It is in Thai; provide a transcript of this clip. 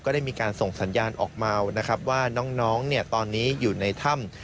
ได้มีการส่งสัญญาณออกมานะครับว่าน้องตอนนี้อยู่ในถ้ำ